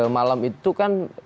malam itu kan